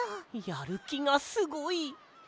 やるきがすごい。